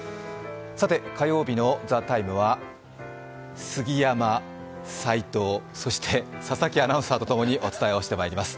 火曜日の「ＴＨＥＴＩＭＥ，」は杉山、齋藤、そして佐々木アナウンサーと共にお伝えをしていきます。